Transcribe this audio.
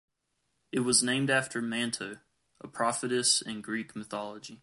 It was named after Manto, a prophetess in Greek mythology.